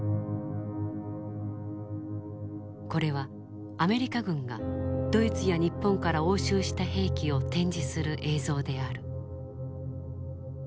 これはアメリカ軍がドイツや日本から押収した兵器を展示する映像である。